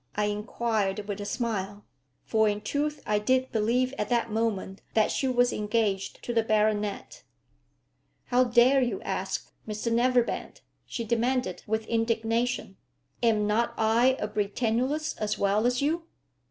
I inquired with a smile. For in truth I did believe at that moment that she was engaged to the baronet. "How dare you ask, Mr Neverbend?" she demanded, with indignation. "Am not I a Britannulist as well as you?"